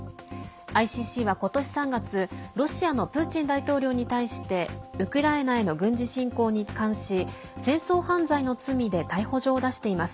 ＩＣＣは今年３月ロシアのプーチン大統領に対してウクライナへの軍事侵攻に関し戦争犯罪の罪で逮捕状を出しています。